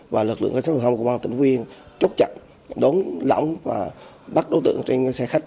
và lực lượng cảnh sát hình sự công an tỉnh phú yên chốt chặt đón lõng và bắt đối tượng trên xe khách